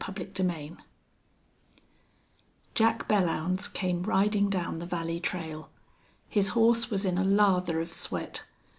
CHAPTER XIX Jack Belllounds came riding down the valley trail. His horse was in a lather of sweat.